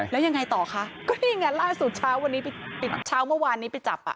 แล้วยังไงต่อคะก็ยังไงล่าสู่เช้าเมื่อวานนี้ไปจับ